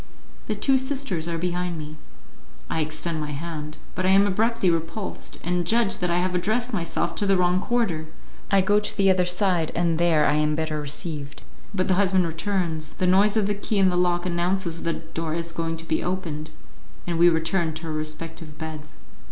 The two sisters are behind me. I extend my hand; but I am abruptly repulsed, and judge that I have addressed myself to the wrong quarter; I go to the other side, and there I am better received. But the husband returns, the noise of the key in the lock announces that the door is going to be opened, and we return to our respective beds.